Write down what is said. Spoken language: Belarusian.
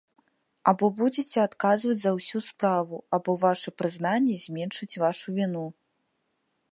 Або будзеце адказваць за ўсю справу, або ваша прызнанне зменшыць вашу віну.